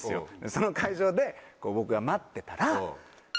その会場で僕が待ってたら。